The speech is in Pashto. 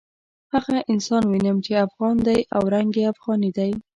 هغه انسان وینم چې افغان دی او رنګ یې افغاني دی.